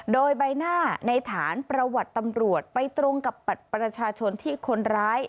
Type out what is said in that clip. โดยใบหน้าในฐานประวัติตำรวจไปตรงกับบัตรประชาชนที่คนร้าย